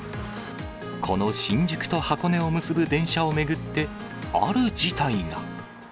この新宿と箱根を結ぶ電車を巡って、ある事態が。